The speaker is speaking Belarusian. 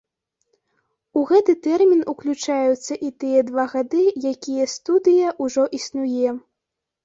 У гэты тэрмін уключаюцца і тыя два гады, якія студыя ўжо існуе.